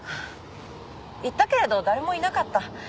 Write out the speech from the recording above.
行ったけれど誰もいなかった。